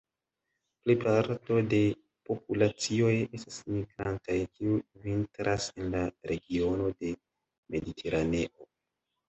Plej parto de populacioj estas migrantaj, kiu vintras en la regiono de Mediteraneo.